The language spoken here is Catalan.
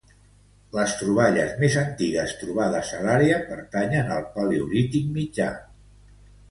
Les troballes més antigues trobades a l'àrea pertanyen al Paleolític mitjà.